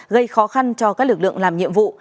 gây khó khăn cho các lực lượng làm nhiệm vụ